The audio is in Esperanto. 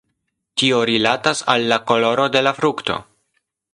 Tio rilatas al la koloro de la frukto.